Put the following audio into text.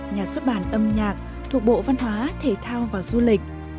nhà xuất bản âm nhạc thuộc bộ văn hóa thể thao và du lịch